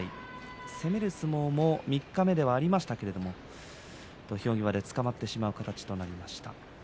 攻める相撲も三日目ではありましたが土俵際で捕まってしまう形となっています。